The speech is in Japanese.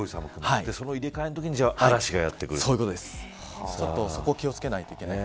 その入れ替えのときに嵐がやってくるそこに気を付けないといけない。